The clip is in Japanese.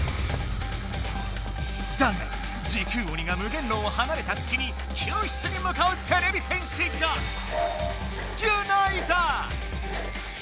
だが時空鬼が無限牢をはなれたすきに救出にむかうてれび戦士がギュナイだ。